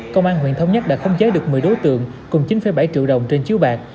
công an huyện thống nhất đã khống chế được một mươi đối tượng cùng chín bảy triệu đồng trên chiếu bạc